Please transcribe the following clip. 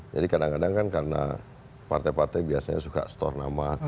jadi kadang kadang kan karena partai partai biasanya suka store nama